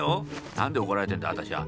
何で怒られてんだ私は。